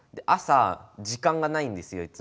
朝時間がないんですよ